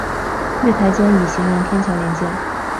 月台间以行人天桥连接。